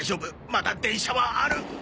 まだ電車はある！